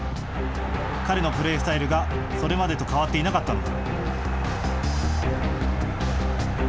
彼のプレースタイルがそれまでと変わっていなかったのだ。